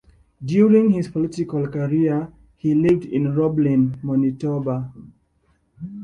During his political career, he lived in Roblin, Manitoba.